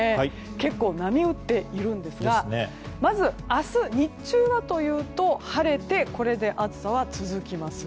結構、波打っているんですがまず明日、日中はというと晴れてこれで暑さは続きます。